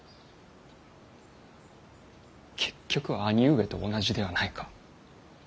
結局兄上と同じではないか。